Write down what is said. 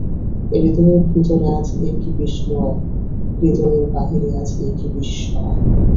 হৃদয়ের ভিতরে আজ এ কী বিসময়, হৃদয়ের বাহিরে আজ এ কী বিস্ময়!